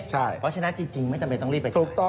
เพราะว่าชนะจริงไม่จำเป็นต้องรีบไปจ่าย